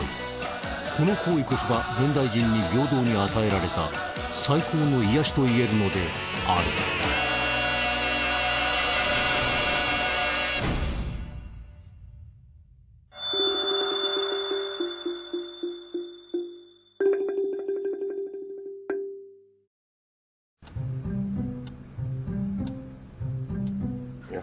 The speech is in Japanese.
この行為こそが現代人に平等に与えられた最高の癒やしといえるのであるいや